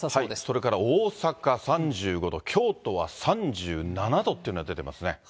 それから大阪３５度、京都は３７度っていうのが出てますね。